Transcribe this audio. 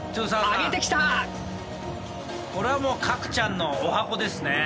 これはもうＫａｋｕちゃんのおはこですね。